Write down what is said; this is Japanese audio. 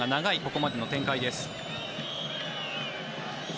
ここまでの展開です。